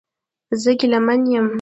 زه ګیلمن یم